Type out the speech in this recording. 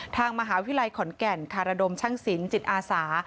ทางมหาวิทยาลัยขอนแก่นคารดมช่างศิลป์จิตอาสา